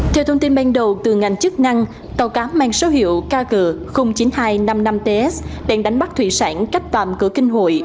theo thông tin ban đầu từ ngành chức năng tàu cá mang số hiệu kg chín nghìn hai trăm năm mươi năm ts đang đánh bắt thủy sản cách tạm cửa kinh hội